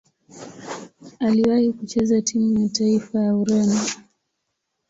Aliwahi kucheza timu ya taifa ya Ureno.